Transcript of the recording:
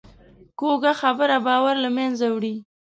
کوږه خبره باور له منځه وړي